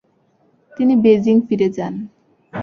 তিনি বেজিং ফিরে যান।